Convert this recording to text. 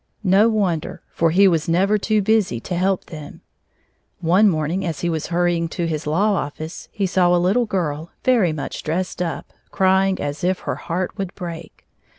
No wonder, for he was never too busy to help them. One morning as he was hurrying to his law office, he saw a little girl, very much dressed up, crying as if her heart would break.